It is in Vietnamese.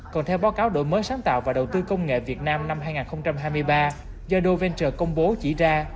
còn theo báo cáo đổi mới sáng tạo và đầu tư công nghệ việt nam năm hai nghìn hai mươi ba do noventor công bố chỉ ra